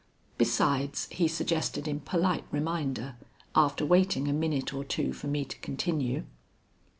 "Besides," he suggested in polite reminder, after waiting a minute or two for me to continue.